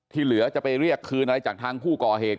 เหลือจะไปเรียกคืนอะไรจากทางผู้ก่อเหตุ